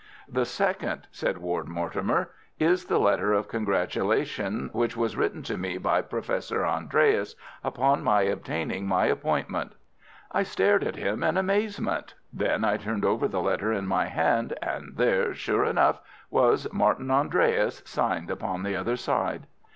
"The second," said Ward Mortimer, "is the letter of congratulation which was written to me by Professor Andreas upon my obtaining my appointment." I stared at him in amazement. Then I turned over the letter in my hand, and there, sure enough, was "Martin Andreas" signed upon the other side.